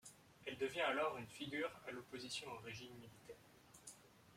Elle devient alors une figure à l'opposition au régime militaire.